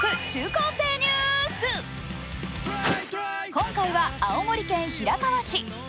今回は青森県平川市。